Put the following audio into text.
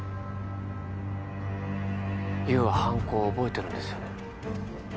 優は犯行を覚えてるんですよね